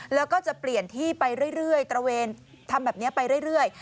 แล้วก็จะเปลี่ยนที่ไปเรื่อยตระเวนทำแบบนี้ไปเรื่อย